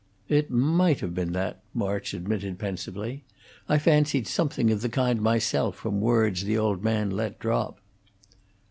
"It might have been that," March admitted, pensively. "I fancied something of the kind myself from words the old man let drop."